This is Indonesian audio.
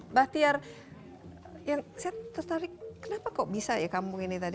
mbak tiar yang saya tertarik kenapa kok bisa ya kampung ini tadi